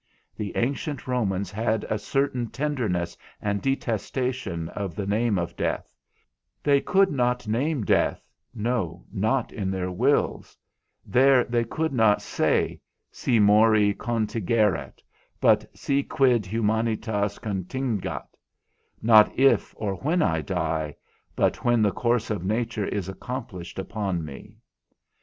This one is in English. The ancient Romans had a certain tenderness and detestation of the name of death; they could not name death, no, not in their wills; there they could not say, Si mori contigerit, but si quid humanitas contingat, not if or when I die, but when the course of nature is accomplished upon me.